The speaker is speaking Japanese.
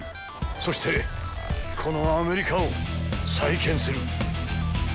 そしてこのアメリカを再建する！